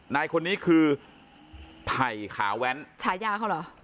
นายคนนี้คือไผ่ขาแว้นฉายาเขาเหรอ